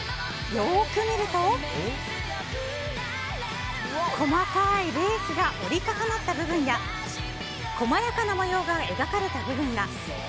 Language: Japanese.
よく見ると細かいレースが折り重なった部分や細やかな模様が描かれた部分が。